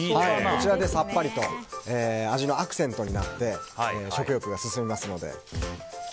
さっぱりと味のアクセントになって食欲が進みますので。